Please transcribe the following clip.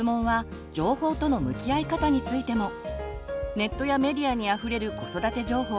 ネットやメディアにあふれる子育て情報。